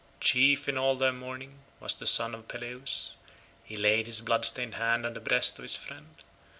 Chief in all their mourning was the son of Peleus: he laid his blood stained hand on the breast of his friend.